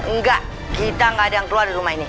enggak kita gak ada yang keluar dari rumah ini